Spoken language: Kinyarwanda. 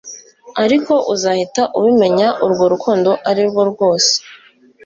Ariko uzahita ubimenya urwo rukundo ari rwose